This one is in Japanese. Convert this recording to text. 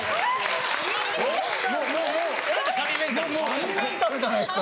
神メンタルじゃないですか。